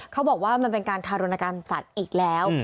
เขาบอกว่ามันเป็นการทารุณกรรมสัตว์อีกแล้ว